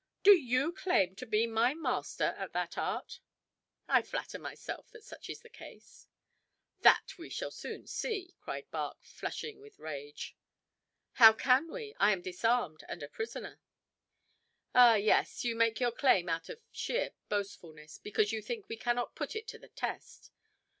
"Do you claim to be my master at that art?" "I flatter myself that such is the case." "That we shall soon see," cried Bach, flushing with rage. "How can we? I am disarmed and a prisoner." "Ah, yes, you make your claim out of sheer boastfulness, because you think we cannot put it to the test!"